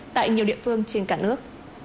tại nhiều địa phương trên cả nước